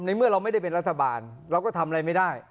เมื่อเราไม่ได้เป็นรัฐบาลเราก็ทำอะไรไม่ได้